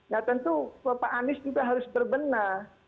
nah tentu pak anies juga harus terbenah